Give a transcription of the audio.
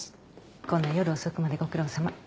こんな夜遅くまでご苦労さま。